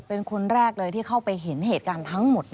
เป็นคนแรกเลยที่เข้าไปเห็นเหตุการณ์ทั้งหมด